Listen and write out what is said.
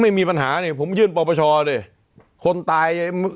ไม่มีปัญหาผมยื่นปปชเลย